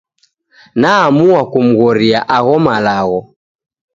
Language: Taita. Naamua kumghoria agho walagho.